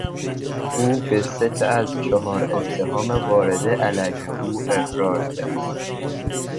او به سه تا از چهار اتهام وارده علیه او اقرار کرد.